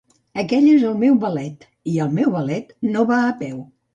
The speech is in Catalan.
Aquell és el meu Valet, i el meu Valet no va a peu.